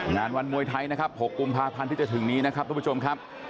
งานวันมวยไทยนะครับ๖กุมภาพันธ์ที่จะถึงนี้นะครับทุกผู้ชมครับ